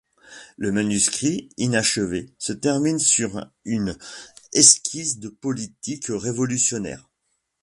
Le manuscrit, inachevé, se termine sur une esquisse de politique révolutionnaire.